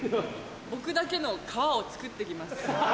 僕だけの川を作ってきます。